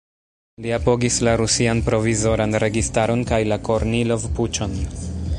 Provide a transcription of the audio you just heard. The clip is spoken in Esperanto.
Li apogis la Rusian provizoran registaron kaj la Kornilov-puĉon.